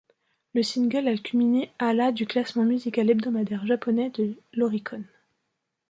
Le single a culminé à la du classement musical hebdomadaire japonais de l'Oricon.